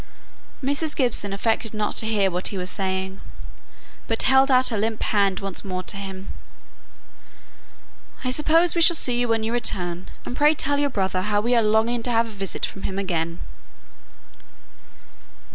Mrs. Gibson affected not to hear what he was saying, but held out her limp hand once more to him. "I suppose we shall see you when you return; and pray tell your brother how we are longing to have a visit from him again."